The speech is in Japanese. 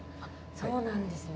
そうなんですね。